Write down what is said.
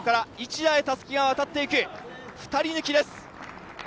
市田へたすきが渡っていく、２人抜きです。